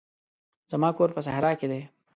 زما کور په صحرا کښي دی.